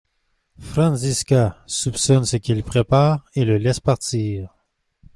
Franziska soupçonne ce qu'il prépare et le laisse partir.